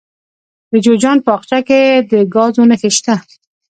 د جوزجان په اقچه کې د ګازو نښې شته.